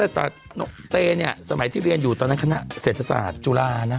แต่เตเนี่ยสมัยที่เรียนอยู่ตอนนั้นคณะเศรษฐศาสตร์จุฬานะ